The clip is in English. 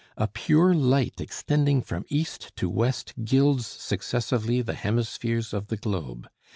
A pure light extending from east to west gilds successively the hemispheres of the globe.